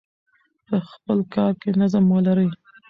په خپل کار کې نظم ولرئ.